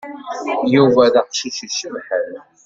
Yuba d aqcic icebḥen.